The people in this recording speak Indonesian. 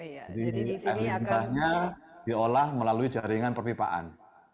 jadi air limbahnya diolah melalui jaringan perpipaan